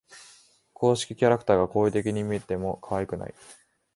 公式キャラクターが好意的に見てもかわいくない